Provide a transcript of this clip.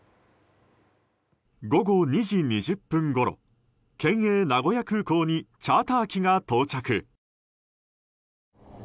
午後２時２０分ごろ県営名古屋空港にチャーター機が到着。